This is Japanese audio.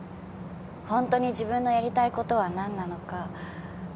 ホントに自分のやりたいことは何なのか。